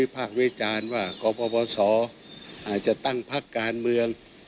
ภาควิจารณ์ว่ากปศอาจจะตั้งพักการเมือง